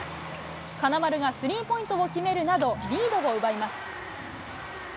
金丸がスリーポイントを決めるなど、リードを奪います。